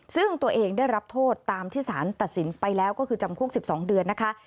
ซึ่งตัวเองได้รับโทษตามที่สารตัดสินไปแล้วก็คือจำคุก๑๒เดือนนะคะ